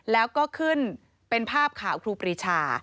แล้วก็ขึ้นเป็นภาพข่าวครูปรีชา